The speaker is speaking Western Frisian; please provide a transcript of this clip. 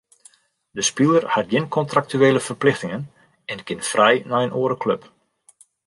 De spiler hat gjin kontraktuele ferplichtingen en kin frij nei in oare klup.